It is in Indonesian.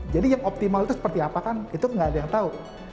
jadi yang optimal itu seperti apa itu tidak ada yang tahu